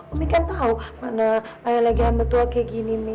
umi kan tau mana ayah lagi hamba tua kayak gini mi